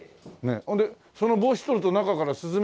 ほんでその帽子取ると中からスズメとか出てくるの？